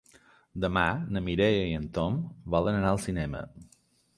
Demà na Mireia i en Tom volen anar al cinema.